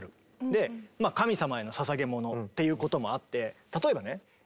でまあ神様への捧げものっていうこともあって例えばね。